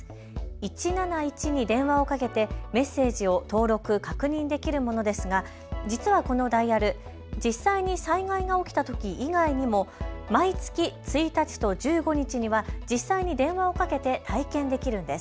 １７１に電話をかけてメッセージを登録・確認できるものですが実はこのダイヤル、実際に災害が起きたとき以外にも毎月１日と１５日には実際に電話をかけて体験できるんです。